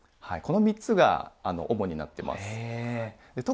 この３つが主になってます。